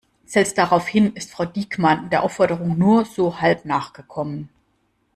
Selbst daraufhin ist Frau Diekmann der Aufforderung nur so halb nachgekommen.